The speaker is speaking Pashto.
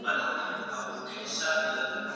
ایا ته اوبه څښې